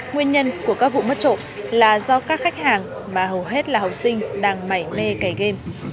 nguyên nhân của các vụ mất trộm là do các khách hàng mà hầu hết là học sinh đang mảy mê cày game